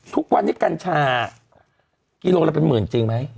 ทุกวันนี้กัญชากิโลละเป็นหมื่นจริงไหม